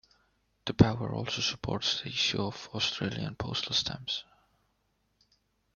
The power also supports the issue of Australian postal stamps.